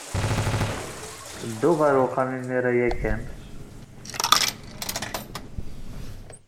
Ddu ɣer uxxam imir-a ya kan.